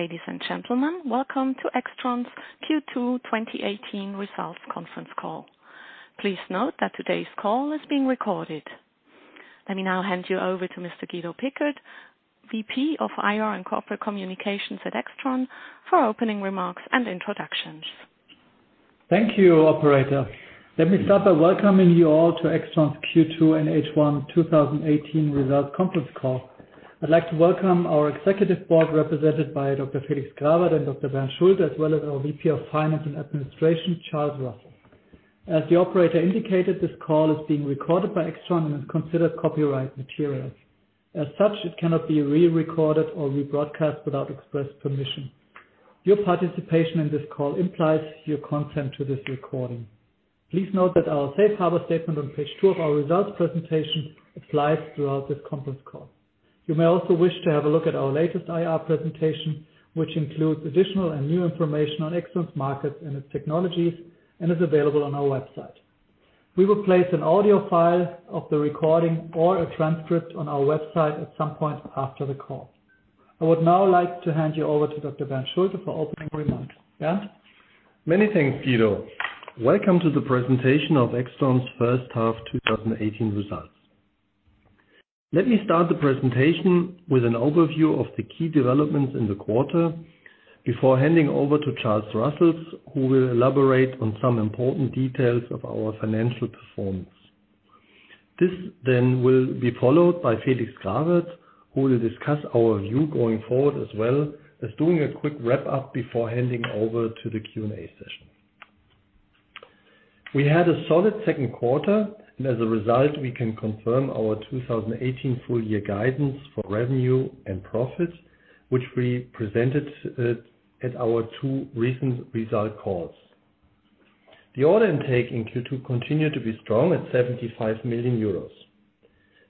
Ladies and gentlemen, welcome to AIXTRON's Q2 2018 results conference call. Please note that today's call is being recorded. Let me now hand you over to Mr. Guido Pickert, VP of IR and Corporate Communications at AIXTRON for opening remarks and introductions. Thank you, operator. Let me start by welcoming you all to AIXTRON's Q2 and H1 2018 results conference call. I'd like to welcome our executive board, represented by Dr. Felix Grawert and Dr. Bernd Schulte, as well as our VP of Finance and Administration, Charles Russell. As the operator indicated, this call is being recorded by AIXTRON and is considered copyright material. As such, it cannot be re-recorded or rebroadcast without express permission. Your participation in this call implies your consent to this recording. Please note that our safe harbor statement on page two of our results presentation applies throughout this conference call. You may also wish to have a look at our latest IR presentation, which includes additional and new information on AIXTRON's market and its technologies, and is available on our website. We will place an audio file of the recording or a transcript on our website at some point after the call. I would now like to hand you over to Dr. Bernd Schulte for opening remarks. Bernd? Many thanks, Guido. Welcome to the presentation of AIXTRON's first half 2018 results. Let me start the presentation with an overview of the key developments in the quarter before handing over to Charles Russell, who will elaborate on some important details of our financial performance. This then will be followed by Felix Grawert, who will discuss our view going forward, as well as doing a quick wrap-up before handing over to the Q&A session. We had a solid second quarter, and as a result, we can confirm our 2018 full year guidance for revenue and profits, which we presented at our two recent result calls. The order intake in Q2 continued to be strong at 75 million euros.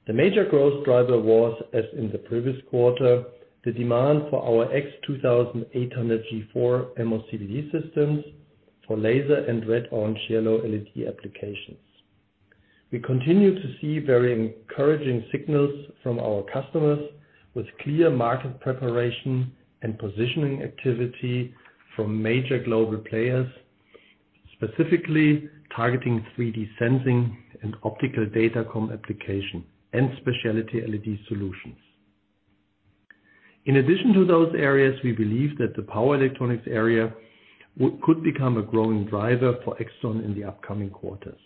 The major growth driver was, as in the previous quarter, the demand for our AIX 2800G4 MOCVD systems for laser and red-orange-yellow LED applications. We continue to see very encouraging signals from our customers, with clear market preparation and positioning activity from major global players, specifically targeting 3D sensing and optical data communication application and specialty LED solutions. In addition to those areas, we believe that the power electronics area could become a growing driver for AIXTRON in the upcoming quarters.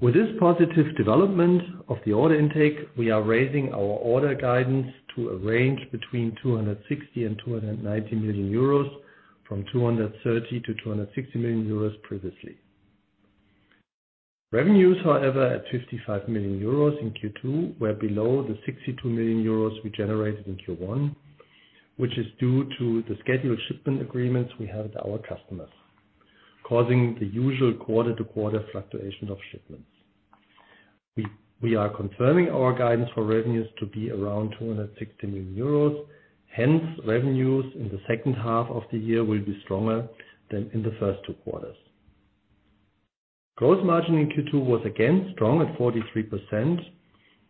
With this positive development of the order intake, we are raising our order guidance to a range between 260 million and 290 million euros from 230 million to 260 million euros previously. Revenues at 55 million euros in Q2, were below the 62 million euros we generated in Q1, which is due to the scheduled shipment agreements we have with our customers, causing the usual quarter-to-quarter fluctuation of shipments. We are confirming our guidance for revenues to be around 260 million euros. Revenues in the second half of the year will be stronger than in the first two quarters. Gross margin in Q2 was again strong at 43%,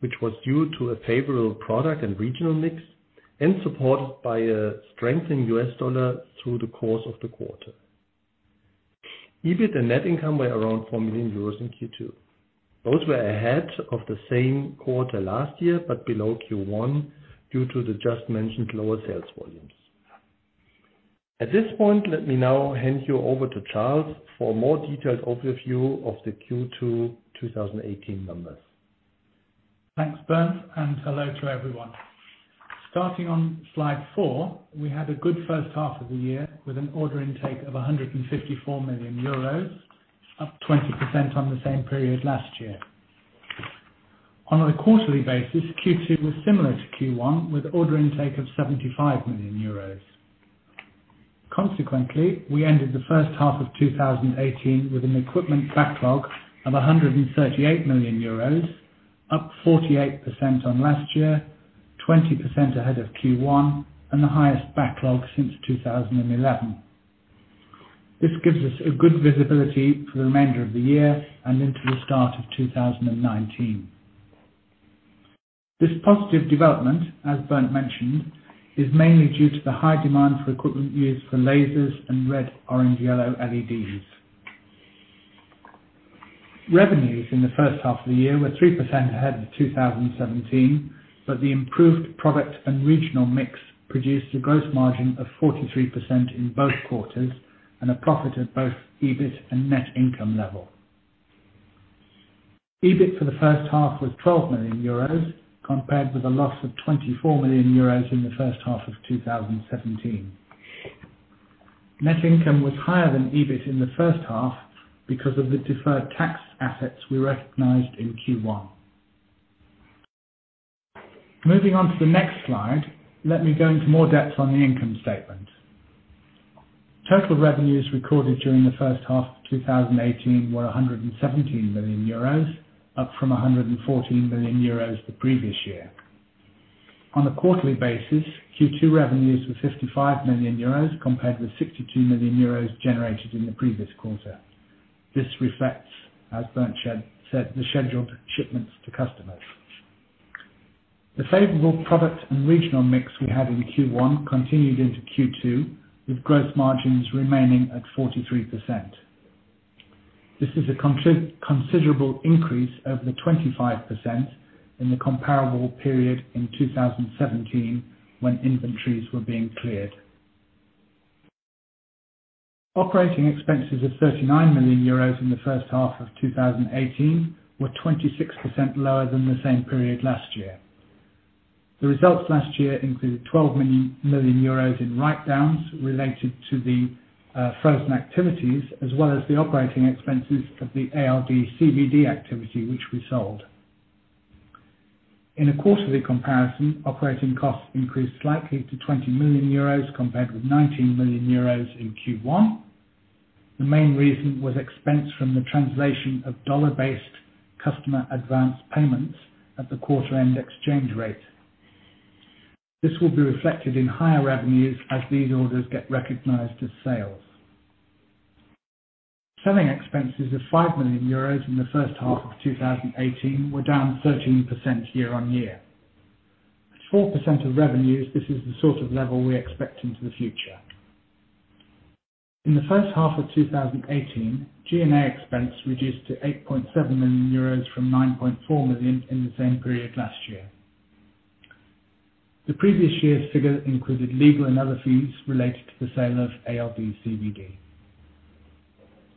which was due to a favorable product and regional mix, and supported by a strengthening U.S. dollar through the course of the quarter. EBIT and net income were around 4 million euros in Q2. Both were ahead of the same quarter last year, but below Q1 due to the just mentioned lower sales volumes. At this point, let me now hand you over to Charles for a more detailed overview of the Q2 2018 numbers. Thanks, Bernd, hello to everyone. Starting on slide four, we had a good first half of the year with an order intake of 154 million euros, up 20% on the same period last year. On a quarterly basis, Q2 was similar to Q1 with order intake of 75 million euros. We ended the first half of 2018 with an equipment backlog of 138 million euros, up 48% on last year, 20% ahead of Q1, and the highest backlog since 2011. This gives us a good visibility for the remainder of the year and into the start of 2019. This positive development, as Bernd mentioned, is mainly due to the high demand for equipment used for lasers and red-orange-yellow LEDs. Revenues in the first half of the year were 3% ahead of 2017, but the improved product and regional mix produced a gross margin of 43% in both quarters and a profit at both EBIT and net income level. EBIT for the first half was 12 million euros, compared with a loss of 24 million euros in the first half of 2017. Net income was higher than EBIT in the first half because of the deferred tax assets we recognized in Q1. Moving on to the next slide, let me go into more depth on the income statement. Total revenues recorded during the first half of 2018 were 117 million euros, up from 114 million euros the previous year. On a quarterly basis, Q2 revenues were 55 million euros, compared with 62 million euros generated in the previous quarter. This reflects, as Bernd said, the scheduled shipments to customers. The favorable product and regional mix we had in Q1 continued into Q2, with gross margins remaining at 43%. This is a considerable increase over the 25% in the comparable period in 2017, when inventories were being cleared. Operating expenses of €39 million in the first half of 2018 were 26% lower than the same period last year. The results last year included €12 million in write-downs related to the frozen activities, as well as the operating expenses of the ALD CVD activity, which we sold. In a quarterly comparison, operating costs increased slightly to €20 million, compared with €19 million in Q1. The main reason was expense from the translation of dollar-based customer advance payments at the quarter-end exchange rate. This will be reflected in higher revenues as these orders get recognized as sales. Selling expenses of €5 million in the first half of 2018 were down 13% year-on-year. At 4% of revenues, this is the sort of level we expect into the future. In the first half of 2018, G&A expense reduced to €8.7 million from €9.4 million in the same period last year. The previous year's figure included legal and other fees related to the sale of ALD CVD.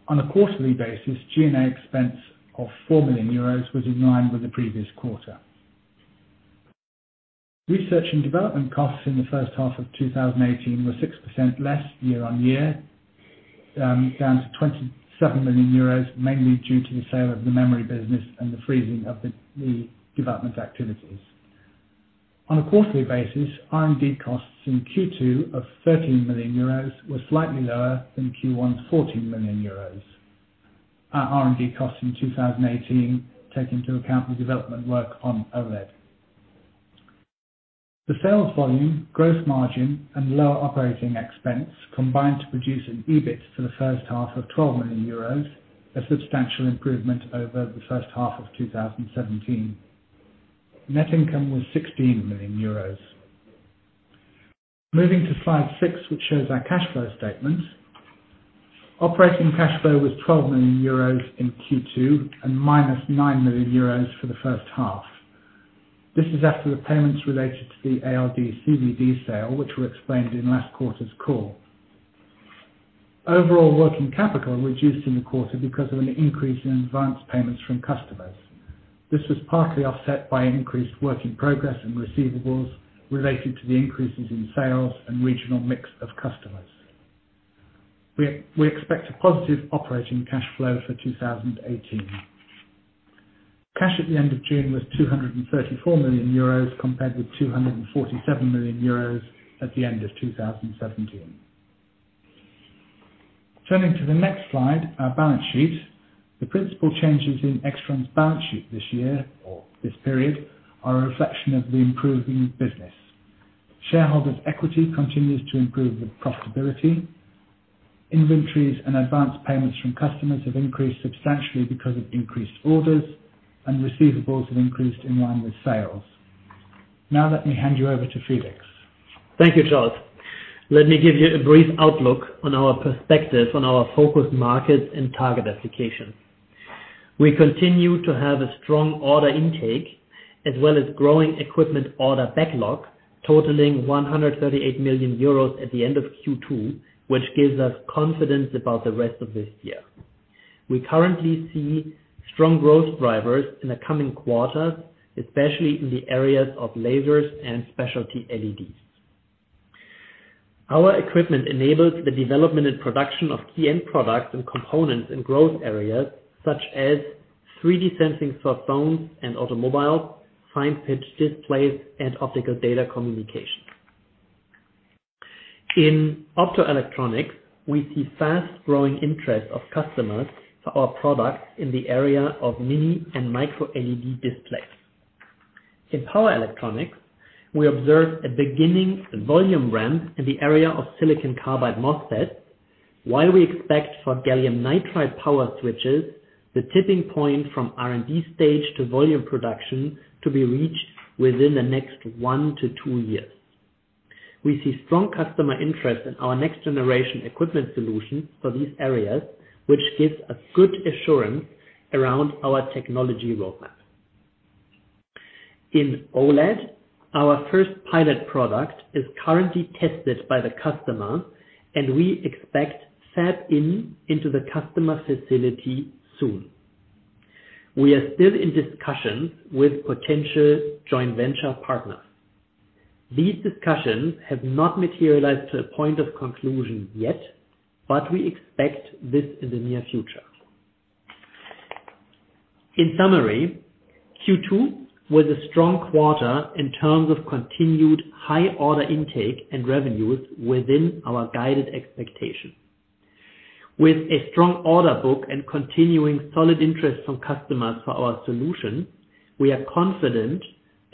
On a quarterly basis, G&A expense of €4 million was in line with the previous quarter. Research and development costs in the first half of 2018 were 6% less year-on-year, down to €27 million, mainly due to the sale of the memory business and the freezing of the development activities. On a quarterly basis, R&D costs in Q2 of €13 million were slightly lower than Q1's €14 million. Our R&D costs in 2018 take into account the development work on OLED. The sales volume, gross margin, and lower operating expense combined to produce an EBIT for the first half of €12 million, a substantial improvement over the first half of 2017. Net income was €16 million. Moving to slide six, which shows our cash flow statement. Operating cash flow was €12 million in Q2, and minus €9 million for the first half. This is after the payments related to the ALD CVD sale, which were explained in last quarter's call. Overall working capital reduced in the quarter because of an increase in advance payments from customers. This was partly offset by increased work in progress and receivables, related to the increases in sales and regional mix of customers. We expect a positive operating cash flow for 2018. Cash at the end of June was €234 million, compared with €247 million at the end of 2017. Turning to the next slide, our balance sheet. The principal changes in AIXTRON's balance sheet this year, or this period, are a reflection of the improving business. Shareholders' equity continues to improve with profitability. Inventories and advance payments from customers have increased substantially because of increased orders, and receivables have increased in line with sales. Let me hand you over to Felix. Thank you, Charles. Let me give you a brief outlook on our perspective on our focus markets and target applications. We continue to have a strong order intake, as well as growing equipment order backlog totaling 138 million euros at the end of Q2, which gives us confidence about the rest of this year. We currently see strong growth drivers in the coming quarters, especially in the areas of lasers and specialty LEDs. Our equipment enables the development and production of key end products and components in growth areas such as 3D sensing for phones and automobiles, fine pitch displays, and optical data communication. In optoelectronics, we see fast growing interest of customers for our products in the area of Mini-LED and Micro-LED displays. In power electronics, we observed a beginning volume ramp in the area of silicon carbide MOSFET, while we expect for gallium nitride power switches, the tipping point from R&D stage to volume production to be reached within the next one to two years. We see strong customer interest in our next generation equipment solutions for these areas, which gives us good assurance around our technology roadmap. In OLED, our first pilot product is currently tested by the customer, and we expect fab-in into the customer facility soon. We are still in discussions with potential joint venture partners. These discussions have not materialized to a point of conclusion yet, but we expect this in the near future. In summary, Q2 was a strong quarter in terms of continued high order intake and revenues within our guided expectation. With a strong order book and continuing solid interest from customers for our solution, we are confident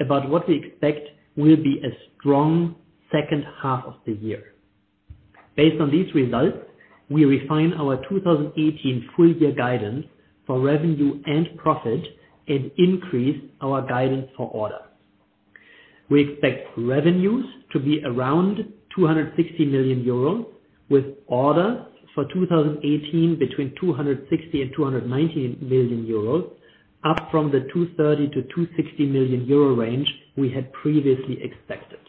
about what we expect will be a strong second half of the year. Based on these results, we refine our 2018 full year guidance for revenue and profit and increase our guidance for orders. We expect revenues to be around 260 million euros, with orders for 2018 between 260 million euros and 290 million euros, up from the 230 million to 260 million euro range we had previously expected.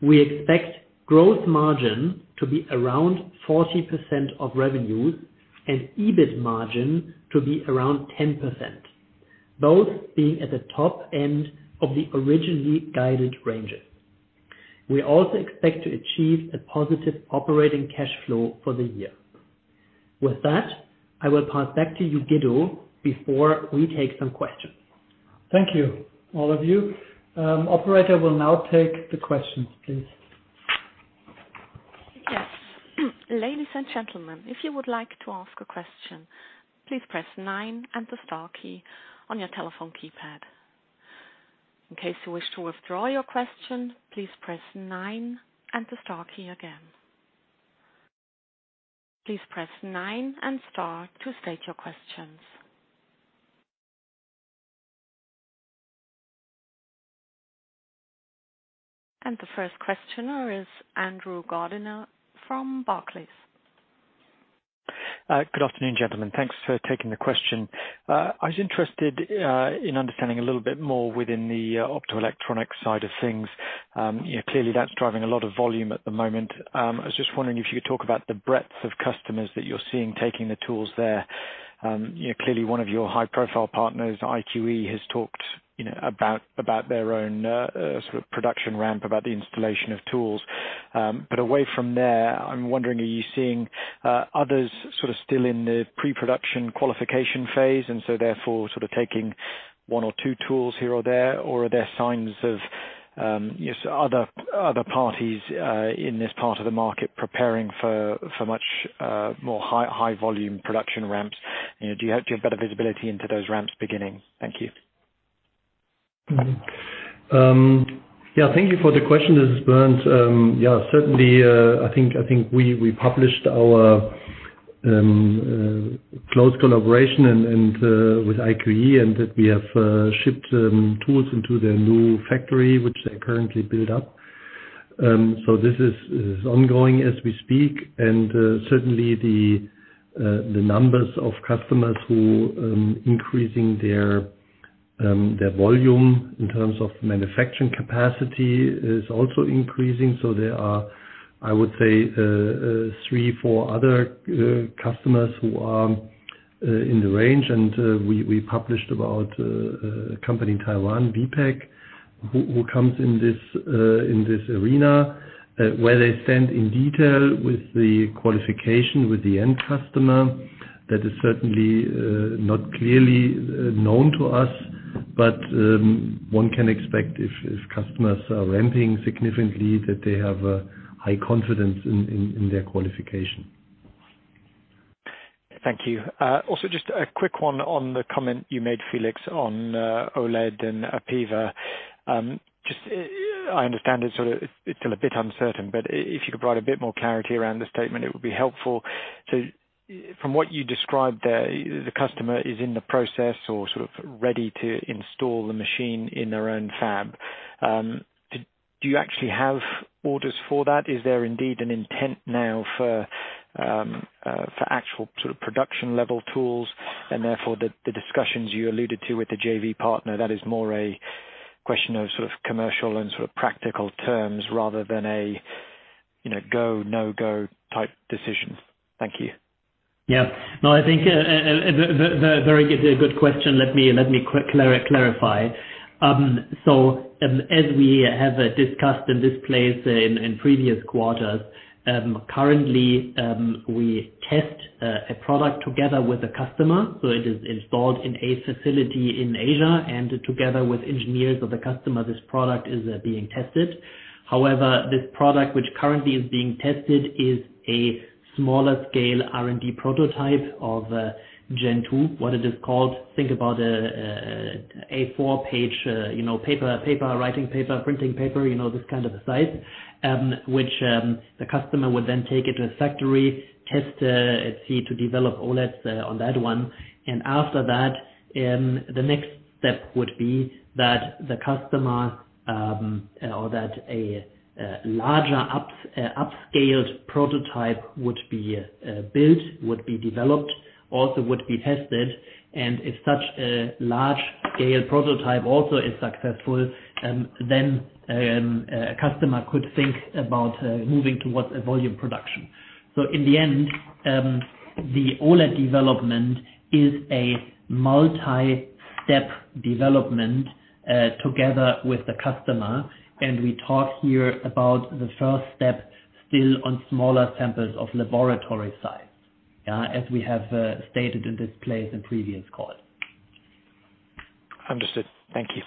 We expect growth margin to be around 40% of revenues and EBIT margin to be around 10%, both being at the top end of the originally guided ranges. We also expect to achieve a positive operating cash flow for the year. With that, I will pass back to you, Guido, before we take some questions. Thank you, all of you. Operator will now take the questions, please. Yes. Ladies and gentlemen, if you would like to ask a question, please press Nine and the Star key on your telephone keypad. In case you wish to withdraw your question, please press Nine and the Star key again. Please press Nine and Star to state your questions. The first questioner is Andrew Gardiner from Barclays. Good afternoon, gentlemen. Thanks for taking the question. I was interested in understanding a little bit more within the optoelectronic side of things. Clearly, that's driving a lot of volume at the moment. I was just wondering if you could talk about the breadth of customers that you're seeing taking the tools there. Clearly one of your high-profile partners, IQE, has talked about their own sort of production ramp, about the installation of tools. Away from there, I'm wondering, are you seeing others sort of still in the pre-production qualification phase, and so therefore sort of taking one or two tools here or there? Are there signs of other parties in this part of the market preparing for much more high volume production ramps? Do you have better visibility into those ramps beginning? Thank you. Thank you for the question. This is Bernd. Certainly, I think we published our close collaboration with IQE and that we have shipped tools into their new factory, which they currently build up. This is ongoing as we speak, and certainly the numbers of customers who are increasing their volume in terms of manufacturing capacity is also increasing. There are, I would say, three, four other customers who are in the range. We published about a company in Taiwan, VPEC, who comes in this arena. Where they stand in detail with the qualification with the end customer, that is certainly not clearly known to us. One can expect if customers are ramping significantly that they have a high confidence in their qualification. Thank you. Also, just a quick one on the comment you made, Felix, on OLED and APEVA. I understand it's still a bit uncertain, but if you could provide a bit more clarity around the statement, it would be helpful. From what you described there, the customer is in the process or sort of ready to install the machine in their own fab. Do you actually have orders for that? Is there indeed an intent now for actual sort of production level tools, and therefore the discussions you alluded to with the JV partner, that is more a question of sort of commercial and sort of practical terms rather than a go, no-go type decision? Thank you. Yeah. No, I think a very good question. Let me clarify. As we have discussed in this place in previous quarters, currently, we test a product together with the customer. It is installed in a facility in Asia, and together with engineers of the customer, this product is being tested. However, this product, which currently is being tested, is a smaller scale R&D prototype of Gen 2, what it is called. Think about A4 page writing paper, printing paper, this kind of a size, which the customer would then take it to a factory, test it, see to develop OLEDs on that one. After that, the next step would be that the customer or that a larger upscaled prototype would be built, would be developed, also would be tested. If such a large-scale prototype also is successful, then a customer could think about moving towards a volume production. In the end, the OLED development is a multi-step development together with the customer. We talk here about the first step still on smaller samples of laboratory size. As we have stated in this place in previous calls. Understood. Thank you.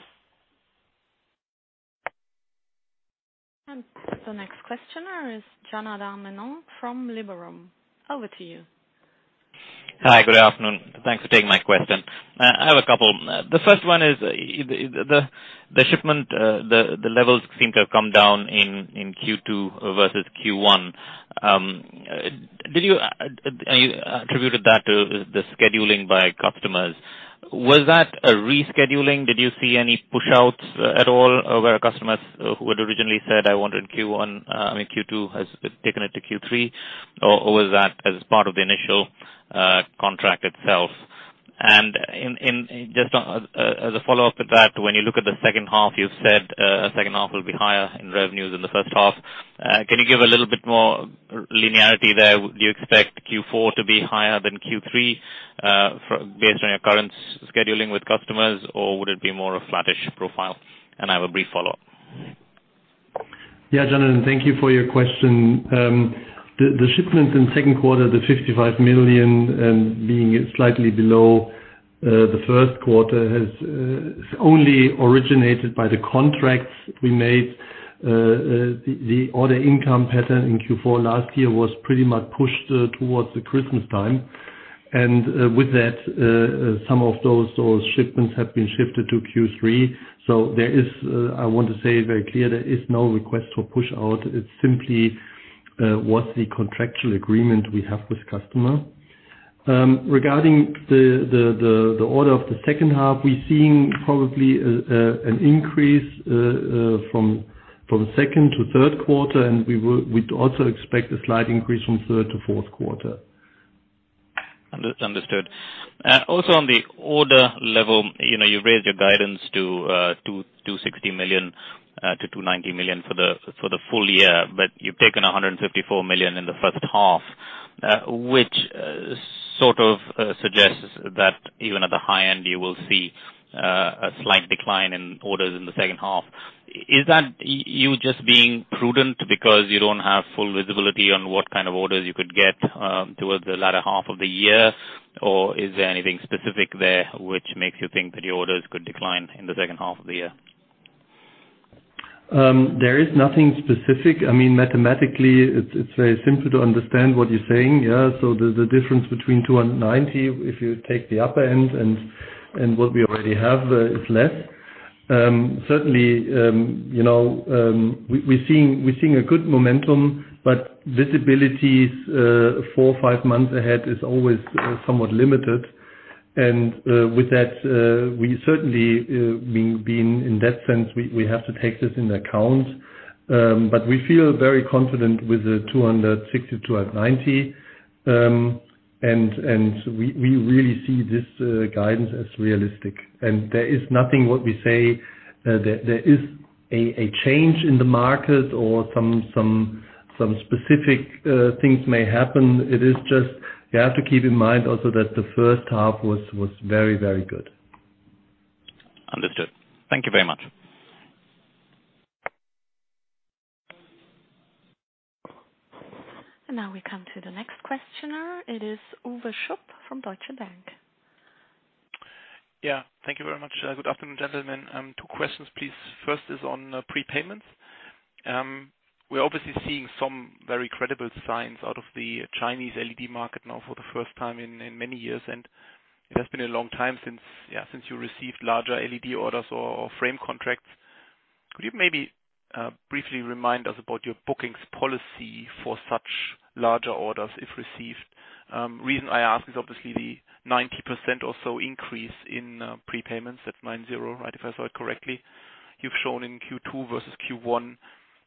The next questioner is Janardhan Menon from Liberum. Over to you. Hi. Good afternoon. Thanks for taking my question. I have a couple. The first one is the shipment, the levels seem to have come down in Q2 versus Q1. You attributed that to the scheduling by customers. Was that a rescheduling? Did you see any push-outs at all, where customers who had originally said, "I wanted Q2," has taken it to Q3? Was that as part of the initial contract itself? Just as a follow-up to that, when you look at the second half, you said second half will be higher in revenues than the first half. Can you give a little bit more linearity there? Do you expect Q4 to be higher than Q3, based on your current scheduling with customers, or would it be more a flattish profile? I have a brief follow-up. Yeah, Janardhan, thank you for your question. The shipments in the second quarter, the 55 million and being slightly below the first quarter has only originated by the contracts we made. The order income pattern in Q4 last year was pretty much pushed towards the Christmas time. With that, some of those shipments have been shifted to Q3. There is, I want to say very clear, there is no request for push-out. It simply was the contractual agreement we have with customer. Regarding the order of the second half, we're seeing probably an increase from second to third quarter, and we'd also expect a slight increase from third to fourth quarter. Understood. Also on the order level, you raised your guidance to 260 million-290 million for the full year, but you've taken 154 million in the first half, which sort of suggests that even at the high end, you will see a slight decline in orders in the second half. Is that you just being prudent because you don't have full visibility on what kind of orders you could get towards the latter half of the year, or is there anything specific there which makes you think that your orders could decline in the second half of the year? There is nothing specific. Mathematically, it's very simple to understand what you're saying. Yeah. There's a difference between 290, if you take the upper end, and what we already have is less. Certainly, we're seeing a good momentum, but visibility four or five months ahead is always somewhat limited. With that, we certainly, being in that sense, we have to take this into account. We feel very confident with the 260-290. We really see this guidance as realistic. There is nothing what we say there is a change in the market or some specific things may happen. It is just, you have to keep in mind also that the first half was very, very good. Understood. Thank you very much. Now we come to the next questioner. It is Uwe Schupp from Deutsche Bank. Yeah. Thank you very much. Good afternoon, gentlemen. Two questions please. First is on prepayments. We're obviously seeing some very credible signs out of the Chinese LED market now for the first time in many years. It has been a long time since you received larger LED orders or frame contracts. Could you maybe briefly remind us about your bookings policy for such larger orders if received? Reason I ask is obviously the 90% or so increase in prepayments at 90, if I saw it correctly. You've shown in Q2 versus Q1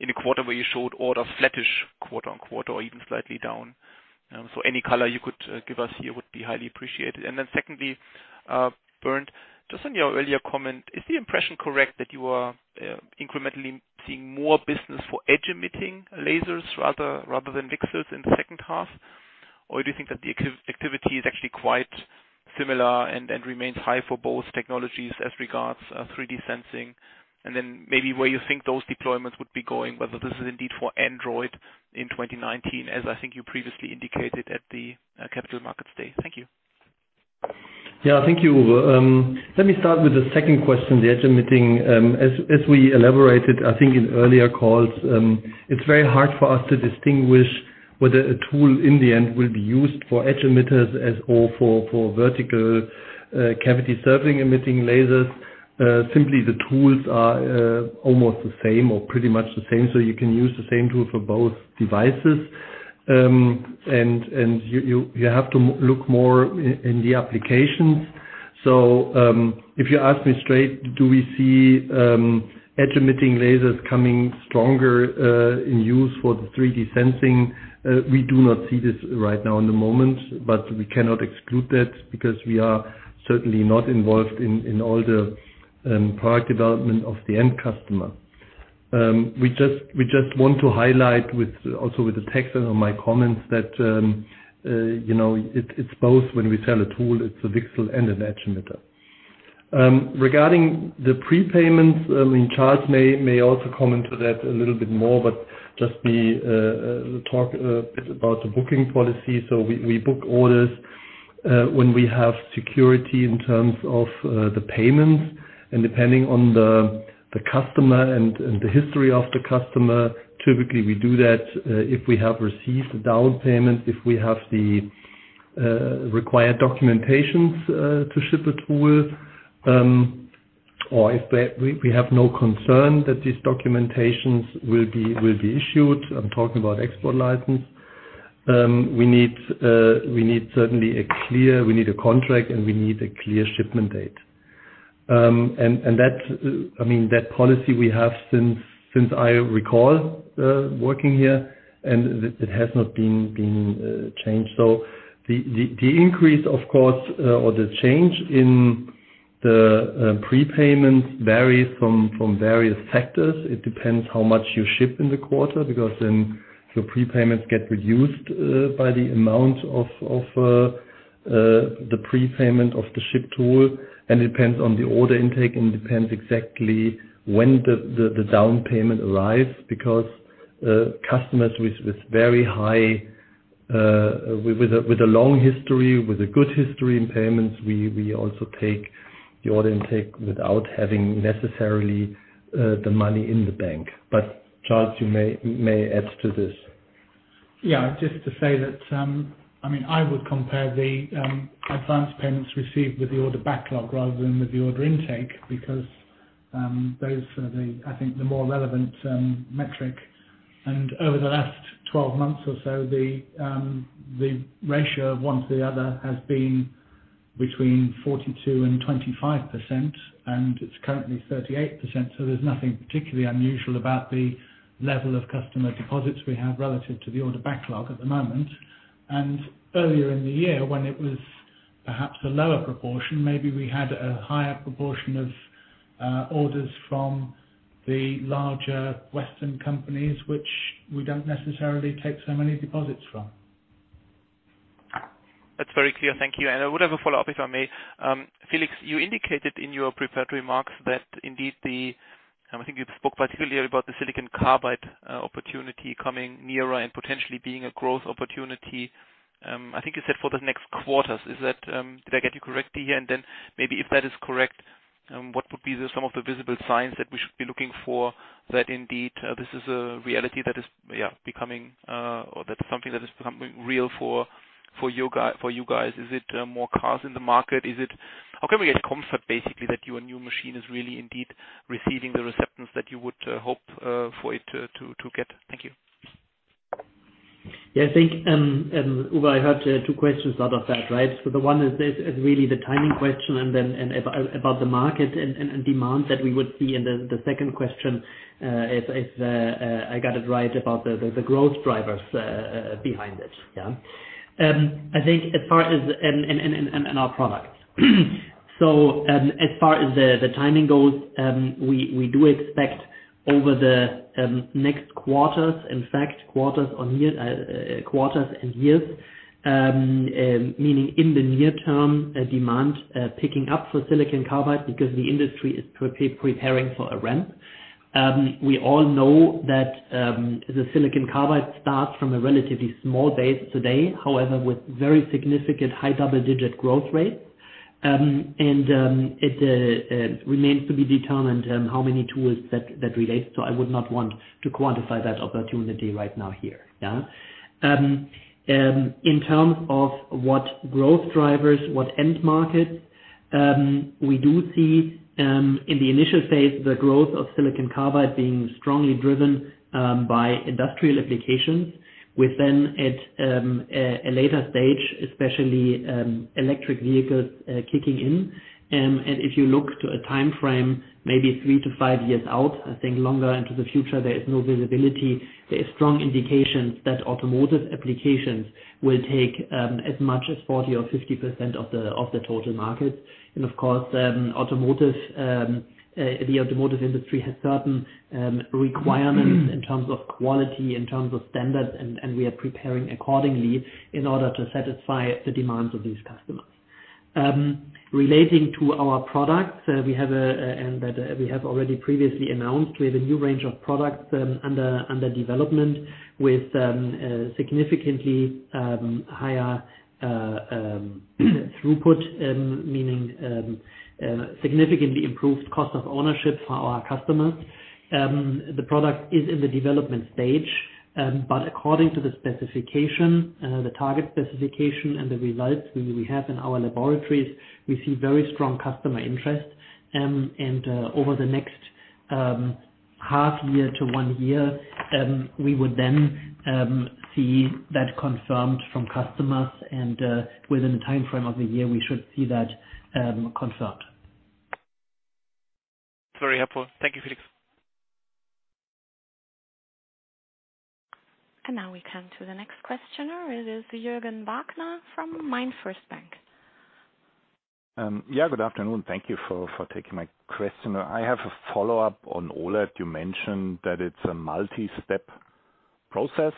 in a quarter where you showed orders flattish quarter-on-quarter, or even slightly down. Any color you could give us here would be highly appreciated. Secondly, Bernd, just on your earlier comment, is the impression correct that you are incrementally seeing more business for edge-emitting lasers rather than VCSELs in the second half? Do you think that the activity is actually quite similar and remains high for both technologies as regards 3D sensing? Maybe where you think those deployments would be going, whether this is indeed for Android in 2019, as I think you previously indicated at the Capital Markets Day. Thank you. Yeah. Thank you, Uwe. Let me start with the second question, the edge emitting. As we elaborated, I think in earlier calls, it's very hard for us to distinguish whether a tool in the end will be used for edge emitters or for Vertical-Cavity Surface-Emitting Lasers. Simply the tools are almost the same or pretty much the same, so you can use the same tool for both devices. You have to look more in the applications. If you ask me straight, do we see edge-emitting lasers coming stronger in use for the 3D sensing? We do not see this right now in the moment, but we cannot exclude that because we are certainly not involved in all the product development of the end customer. We just want to highlight also with the text and on my comments that it's both when we sell a tool, it's a VCSEL and an edge emitter. Regarding the prepayments, Charles may also comment to that a little bit more, but just talk a bit about the booking policy. We book orders when we have security in terms of the payments and depending on the customer and the history of the customer, typically we do that if we have received the down payment, if we have the required documentations to ship a tool, or if we have no concern that these documentations will be issued. I'm talking about export license. We need certainly a contract, and we need a clear shipment date. That policy we have since I recall working here, and it has not been changed. The increase, of course, or the change in the prepayments varies from various factors. It depends how much you ship in the quarter because then your prepayments get reduced by the amount of the prepayment of the shipped tool, and depends on the order intake and depends exactly when the down payment arrives because customers with a long history, with a good history in payments, we also take the order intake without having necessarily the money in the bank. Charles, you may add to this. Yeah, just to say that, I would compare the advance payments received with the order backlog rather than with the order intake because those are, I think, the more relevant metric. Over the last 12 months or so, the ratio of one to the other has been between 42% and 25%, and it's currently 38%. There's nothing particularly unusual about the level of customer deposits we have relative to the order backlog at the moment. Earlier in the year, when it was perhaps a lower proportion, maybe we had a higher proportion of orders from the larger Western companies, which we don't necessarily take so many deposits from. That's very clear. Thank you. I would have a follow-up, if I may. Felix, you indicated in your prepared remarks that indeed I think you spoke particularly about the silicon carbide opportunity coming nearer and potentially being a growth opportunity. I think you said for the next quarters. Did I get you correctly here? Then maybe if that is correct, what would be some of the visible signs that we should be looking for that indeed this is a reality that is becoming, or that something that is becoming real for you guys. Is it more cars in the market? How can we get comfort, basically, that your new machine is really indeed receiving the acceptance that you would hope for it to get? Thank you. I think, Uwe, I heard two questions out of that, right? The one is really the timing question and then about the market and demand that we would see. The second question, if I got it right, about the growth drivers behind it. I think as far as our products. As far as the timing goes, we do expect over the next quarters, in fact, quarters and years, meaning in the near term, demand picking up for silicon carbide because the industry is preparing for a ramp. We all know that the silicon carbide starts from a relatively small base today. However, with very significant high double-digit growth rates. It remains to be determined how many tools that relates to. I would not want to quantify that opportunity right now here. In terms of what growth drivers, what end markets, we do see in the initial phase, the growth of silicon carbide being strongly driven by industrial applications, with then at a later stage, especially electric vehicles kicking in. If you look to a time frame, maybe three to five years out, I think longer into the future, there is no visibility. There is strong indications that automotive applications will take as much as 40% or 50% of the total market. Of course, the automotive industry has certain requirements in terms of quality, in terms of standards, and we are preparing accordingly in order to satisfy the demands of these customers. Relating to our products, and that we have already previously announced, we have a new range of products under development with significantly higher throughput, meaning significantly improved cost of ownership for our customers. The product is in the development stage, according to the specification, the target specification and the results we have in our laboratories, we see very strong customer interest. Over the next half year to one year, we would then see that confirmed from customers. Within the time frame of a year, we should see that confirmed. Very helpful. Thank you, Felix. Now we come to the next questioner. It is Juergen Bachner from MainFirst Bank. Good afternoon. Thank you for taking my question. I have a follow-up on OLED. You mentioned that it's a multi-step process.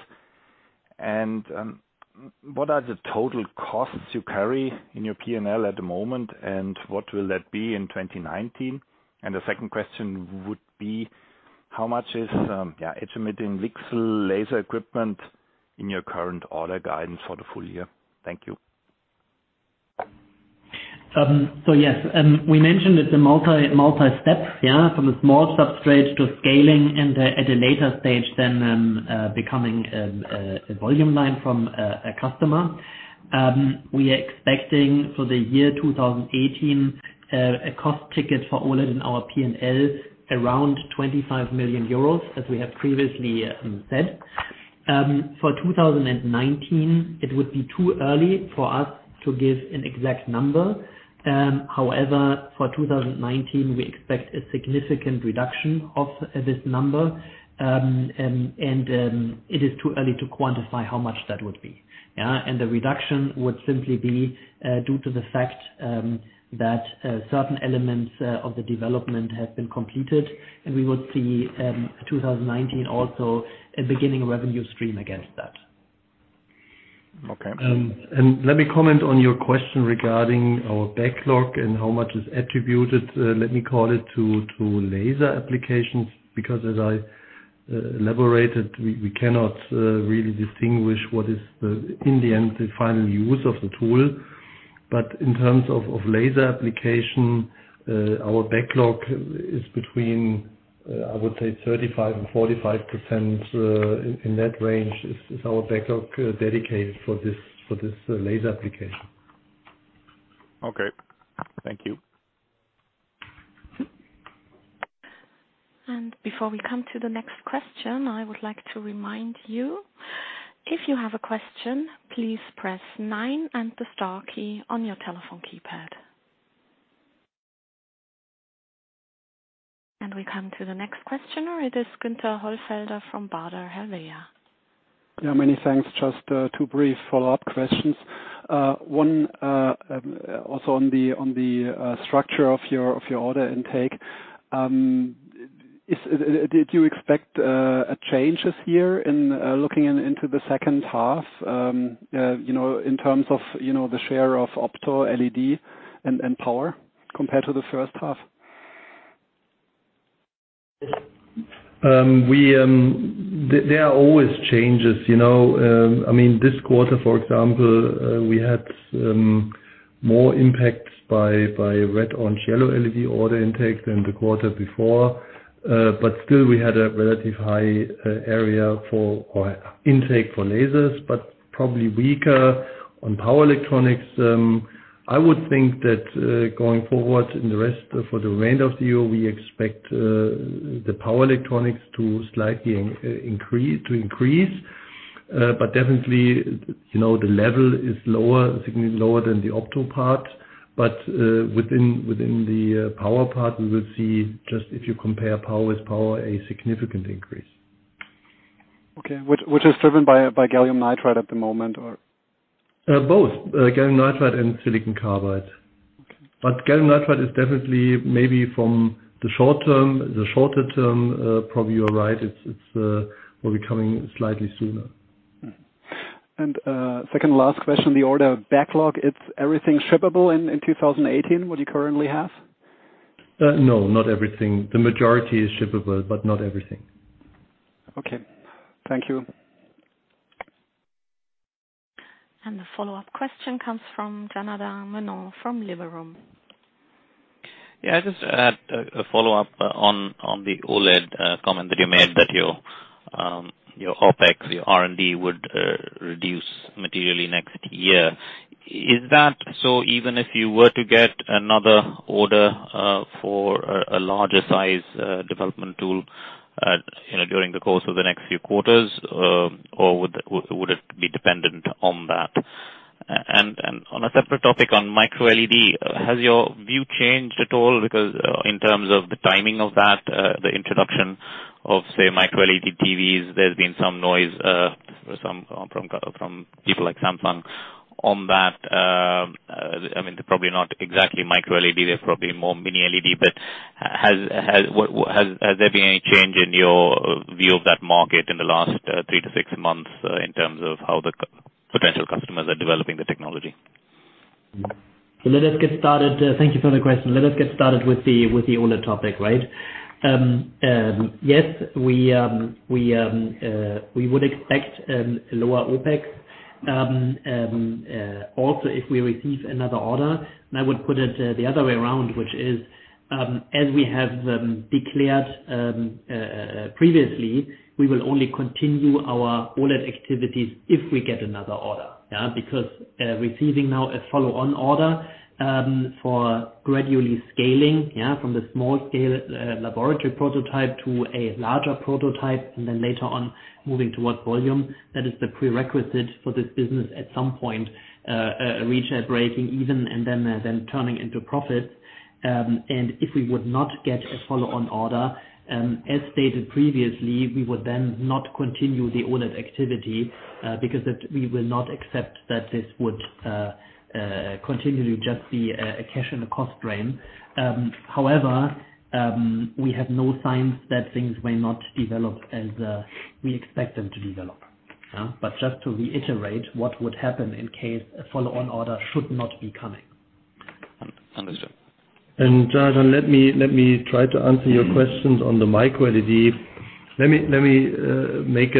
What are the total costs you carry in your P&L at the moment, and what will that be in 2019? The second question would be How much is estimating VCSEL laser equipment in your current order guidance for the full year? Thank you. Yes, we mentioned it's a multi-step. From a small substrate to scaling and at a later stage then becoming a volume line from a customer. We are expecting for the year 2018, a cost ticket for all in our P&L around 25 million euros, as we have previously said. For 2019, it would be too early for us to give an exact number. However, for 2019, we expect a significant reduction of this number. It is too early to quantify how much that would be. The reduction would simply be due to the fact that certain elements of the development have been completed, and we would see 2019 also beginning a revenue stream against that. Okay. Let me comment on your question regarding our backlog and how much is attributed, let me call it, to laser applications, because as I elaborated, we cannot really distinguish what is the, in the end, the final use of the tool. In terms of laser application, our backlog is between, I would say 35%-45%, in that range, is our backlog dedicated for this laser application. Okay. Thank you. Before we come to the next question, I would like to remind you, if you have a question, please press 9 and the star key on your telephone keypad. We come to the next questioner. It is Guenther Hollfelder from Baader Helvea. Yeah, many thanks. Just two brief follow-up questions. One, also on the structure of your order intake. Did you expect changes here in looking into the second half, in terms of the share of opto LED and power compared to the first half? There are always changes. This quarter, for example, we had more impacts by red-orange-yellow LED order intake than the quarter before. Still we had a relatively high area for intake for lasers, probably weaker on power electronics. I would think that going forward in the rest, for the remainder of the year, we expect the power electronics to slightly increase. Definitely, the level is significantly lower than the opto part. Within the power part, we will see just if you compare power with power, a significant increase. Okay, which is driven by gallium nitride at the moment, or? Both. gallium nitride and silicon carbide. Okay. gallium nitride is definitely maybe from the shorter term probably you're right, it's will be coming slightly sooner. second to last question, the order backlog, it's everything shippable in 2018 what you currently have? No, not everything. The majority is shippable, but not everything. Okay. Thank you. The follow-up question comes from Janardhan Menon from Liberum. I just had a follow-up on the OLED comment that you made that your OpEx, your R&D would reduce materially next year. Is that so even if you were to get another order for a larger size development tool during the course of the next few quarters? Or would it be dependent on that? On a separate topic on Micro-LED, has your view changed at all? Because in terms of the timing of that, the introduction of, say, Micro-LED TVs, there's been some noise from people like Samsung on that. They're probably not exactly Micro-LED, they're probably more Mini-LED, but has there been any change in your view of that market in the last three to six months in terms of how the potential customers are developing the technology? Thank you for the question. Let us get started with the OLED topic, right? Yes, we would expect a lower OpEx. Also if we receive another order, I would put it the other way around, which is, as we have declared previously, we will only continue our OLED activities if we get another order. Receiving now a follow-on order for gradually scaling. From the small scale laboratory prototype to a larger prototype, and then later on moving towards volume. That is the prerequisite for this business at some point, reach a break-even and then turning into profit. If we would not get a follow-on order, as stated previously, we would then not continue the OLED activity. We will not accept that this would continually just be a cash and a cost drain. However, we have no signs that things may not develop as we expect them to develop. Just to reiterate what would happen in case a follow-on order should not be coming. Understood. Janardhan, let me try to answer your questions on the Micro-LED. Let me make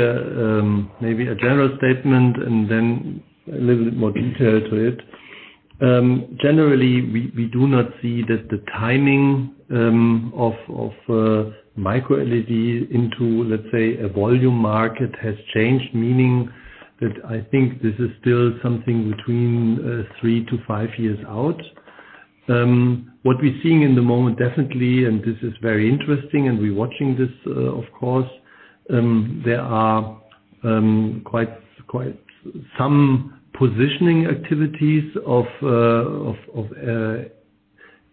maybe a general statement and then a little bit more detail to it. Generally, we do not see that the timing of Micro-LED into, let's say, a volume market has changed, meaning that I think this is still something between three to five years out. What we're seeing in the moment, definitely, and this is very interesting, and we're watching this, of course, there are quite some positioning activities of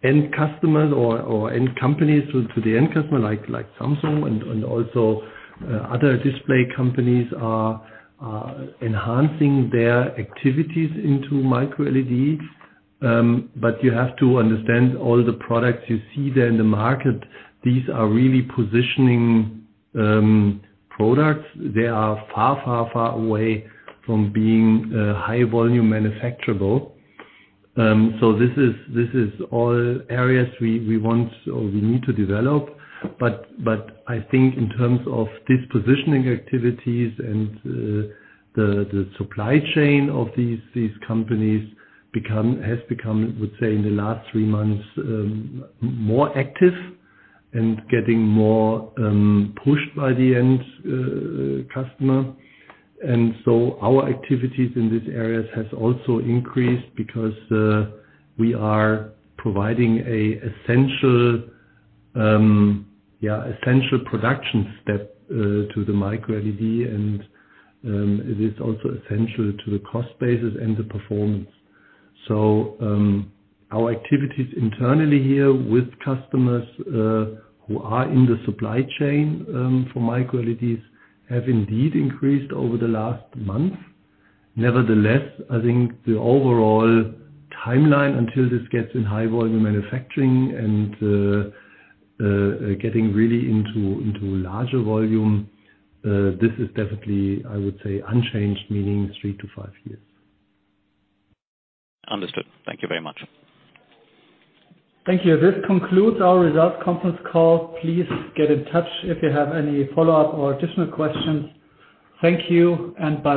end customers or end companies to the end customer, like Samsung and also other display companies are enhancing their activities into Micro-LED. You have to understand all the products you see there in the market, these are really positioning products. They are far, far, far away from being high volume manufacturable. This is all areas we want or we need to develop. I think in terms of this positioning activities and the supply chain of these companies has become, I would say, in the last three months, more active and getting more pushed by the end customer. Our activities in these areas has also increased because we are providing a essential production step to the Micro-LED, and it is also essential to the cost basis and the performance. Our activities internally here with customers who are in the supply chain for Micro-LEDs have indeed increased over the last month. I think the overall timeline until this gets in high volume manufacturing and getting really into larger volume, this is definitely, I would say, unchanged, meaning three to five years. Understood. Thank you very much. Thank you. This concludes our results conference call. Please get in touch if you have any follow-up or additional questions. Thank you and bye.